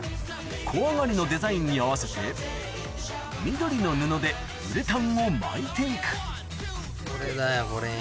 小上がりのデザインに合わせて緑の布でウレタンを巻いていくこれだよこれ。